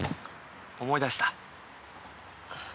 思い出した？